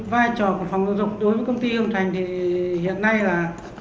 vài trò của phòng dục đối với công ty hương thành thì hiện nay là